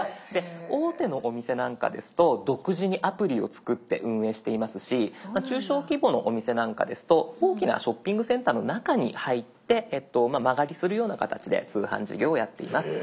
大手のお店なんかですと独自にアプリを作って運営していますし中小規模のお店なんかですと大きなショッピングセンターの中に入って間借りするような形で通販事業をやっています。